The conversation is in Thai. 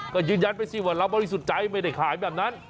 ก็ยืนยันไปสิว่าเราบริสุทธิ์ใจไม่ได้ขายแบบนั้น